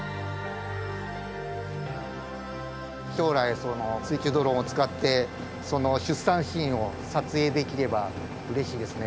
将来水中ドローンを使ってその出産シーンを撮影できればうれしいですね。